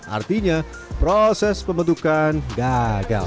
artinya proses pembentukan gagal